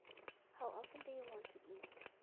How often do you want to eat?